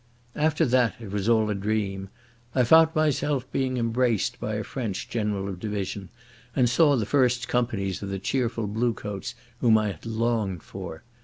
After that it was all a dream. I found myself being embraced by a French General of Division, and saw the first companies of the cheerful bluecoats whom I had longed for.